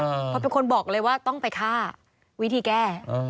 เพราะเป็นคนบอกเลยว่าต้องไปฆ่าวิธีแก้